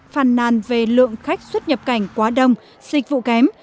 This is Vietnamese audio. phàn nàn về lượng khách xuất nhập cảnh quá đông dịch vụ kém